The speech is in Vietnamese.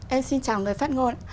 em xin chào người phát ngôn